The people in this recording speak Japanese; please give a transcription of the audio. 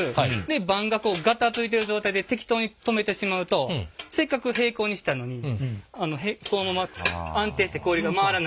盤がこうガタついてる状態で適当に止めてしまうとせっかく平行にしたのにそのまま安定して氷が回らないので。